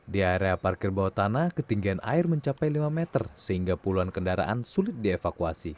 di area parkir bawah tanah ketinggian air mencapai lima meter sehingga puluhan kendaraan sulit dievakuasi